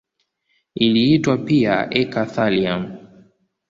Iliitwa pia eka-thallium.